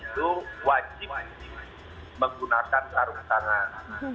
itu wajib menggunakan sarung tangan